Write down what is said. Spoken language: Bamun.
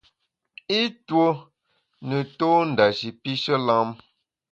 I ntue ne tô ndashi pishe lam.